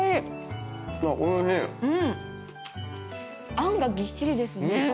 あんがぎっしりですね。